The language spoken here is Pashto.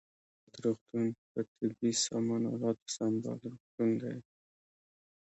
نصرت روغتون په طبي سامان الاتو سمبال روغتون دی